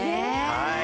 はい。